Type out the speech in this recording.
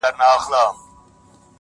o لاسو كې توري دي لاسو كي يې غمى نه دی ـ